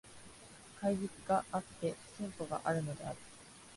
懐疑があって進歩があるのである。